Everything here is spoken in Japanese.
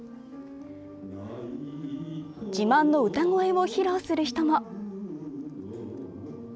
自慢の歌声を披露する人も。